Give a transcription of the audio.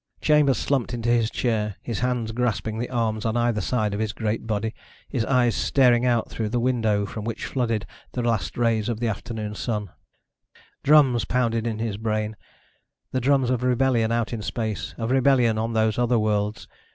Chambers slumped into his chair, his hands grasping the arms on either side of his great body, his eyes staring out through the window from which flooded the last rays of the afternoon Sun. Drums pounded in his brain ... the drums of rebellion out in space, of rebellion on those other worlds